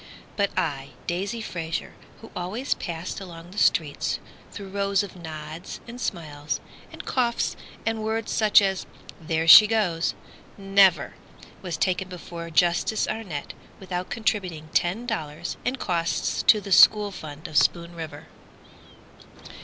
But I—Daisy Fraser who always passed Along the street through rows of nods and smiles, And coughs and words such as "there she goes." Never was taken before Justice Arnett Without contributing ten dollars and costs To the school fund of Spoon River!